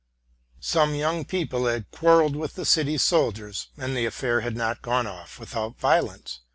Some young people had quarrelled with the city soldiers, and the affair had not gone off without violence.